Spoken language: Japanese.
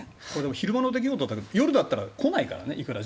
昼間の出来事だけど夜だったら来ないからね。